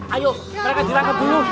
ayo mereka dirangkap dulu